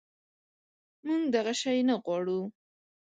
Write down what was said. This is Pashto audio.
منږ دغه شی نه غواړو